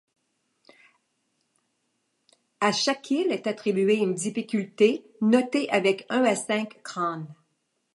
À chaque île est attribuée une difficulté, notée avec un à cinq crânes.